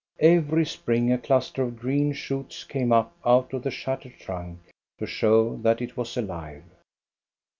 Every spring a cluster of green shoots came up out of the shattered trunk to show that it was alive.